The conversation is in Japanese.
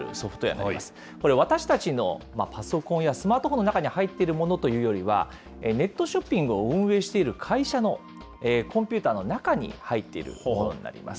これ、私たちのパソコンやスマートフォンの中に入っているものというよりは、ネットショッピングを運営している会社のコンピューターの中に入っているものになります。